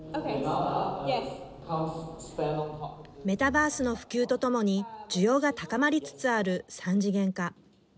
メタバースの普及とともに需要が高まりつつある３次元化。